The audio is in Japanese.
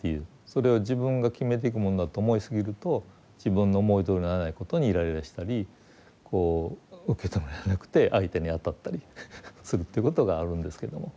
それを自分が決めていくもんだと思いすぎると自分の思いどおりにならないことにイライラしたりこう受け止められなくて相手に当たったりするということがあるんですけども。